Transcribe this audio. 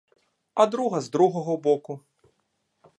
А друга з другого боку.